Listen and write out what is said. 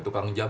hah tukang jam